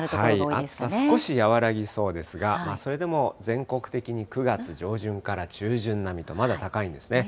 暑さ少し和らぎそうですが、それでも全国的に９月上旬から中旬並みとまだ高いんですね。